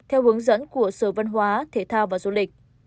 theo hướng dẫn của sở văn hóa thể thao và du lịch